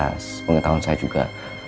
pada saat itu saya juga